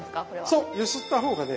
そう揺すった方がね